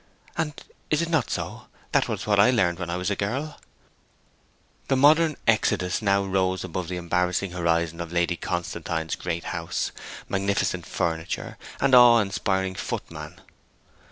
'And is it not so? That was what I learned when I was a girl.' The modern Eudoxus now rose above the embarrassing horizon of Lady Constantine's great house, magnificent furniture, and awe inspiring footman.